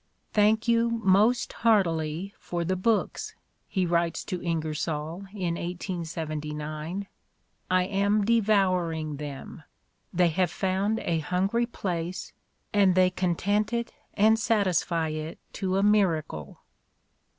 "Thank you most heartily for the books," he writes to IngersoU in 1879. "I am devour ing them — they have found a hungry place, and they content it and satisfy it to a miracle."